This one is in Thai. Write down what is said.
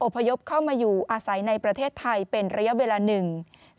พยพเข้ามาอยู่อาศัยในประเทศไทยเป็นระยะเวลาหนึ่ง